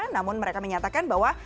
namun mereka menyatakan bahwa